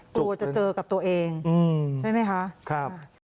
โปรดจะเจอกับตัวเองใช่ไหมคะครับโปรดจะเจอกับตัวเองใช่ไหมคะ